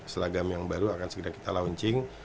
selagam yang baru akan segera kita launching